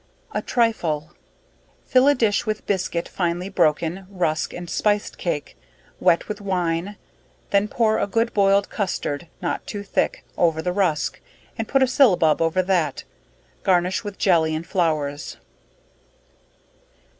A Trifle. Fill a dish with biscuit finely broken, rusk and spiced cake, wet with wine, then pour a good boil'd custard, (not too thick) over the rusk, and put a syllabub over that; garnish with jelley and flowers.